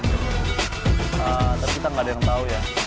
dan tapi kita gak ada yang tahu ya